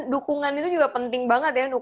dukungan itu juga penting banget ya